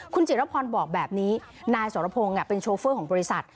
คุณจิรพรบอกแบบนี้นายสรพงศ์เป็นโชเฟอร์ของบริษัท